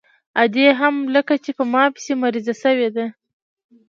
ادې هم لکه چې په ما پسې مريضه سوې وه.